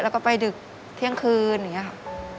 แล้วก็ไปดึกเที่ยงคืนอย่างนี้ค่ะ